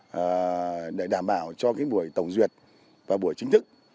và để đảm bảo cho cái buổi tổng duyệt và buổi chính thức